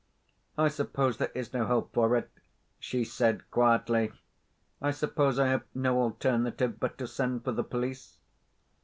"I suppose there is no help for it?" she said, quietly. "I suppose I have no alternative but to send for the police?"